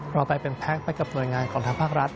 เราไปเป็นแพ็คไปกับหน่วยงานของทางภาครัฐ